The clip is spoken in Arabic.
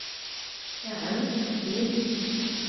نعم صحيح.